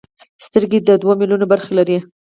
سترګې دوه ملیونه برخې لري.